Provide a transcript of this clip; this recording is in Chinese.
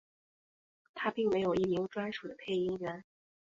它并没有一名专属的配音员。